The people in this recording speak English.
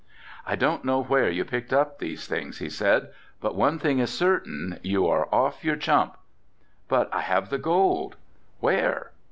"I don't know where you picked up these things," he said, "but one thing is certain you are off your chump." "But I have the gold." "Where?"